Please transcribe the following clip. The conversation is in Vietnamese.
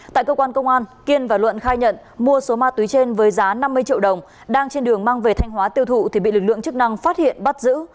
tại cơ quan công an kiên và luận khai nhận mua số ma túy trên với giá năm mươi triệu đồng đang trên đường mang về thanh hóa tiêu thụ thì bị lực lượng chức năng phát hiện bắt giữ